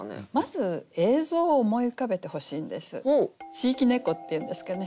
地域猫っていうんですかね